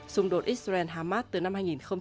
xung đột israel harmat từ năm hai nghìn hai mươi ba